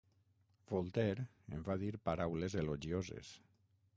Voltaire en va dir paraules elogioses.